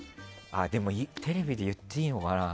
でも、テレビで言っていいのかな。